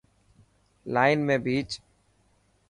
لائن ۾ پيچ.